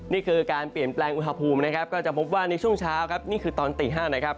นี่คือการเปลี่ยนแปลงอุณหภูมินะครับก็จะพบว่าในช่วงเช้าครับนี่คือตอนตี๕นะครับ